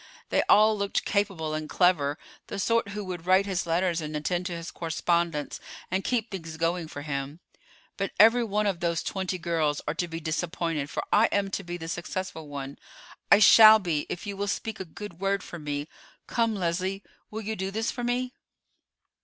They all looked capable and clever, the sort who would write his letters and attend to his correspondence, and keep things going for him. But every one of those twenty girls are to be disappointed, for I am to be the successful one. I shall be, if you will speak a good word for me. Come, Leslie, will you do this for me?"